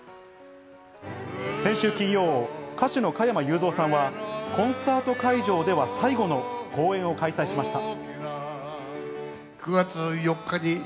先週金曜、歌手の加山雄三さんはコンサート会場では最後の公演を開催しました。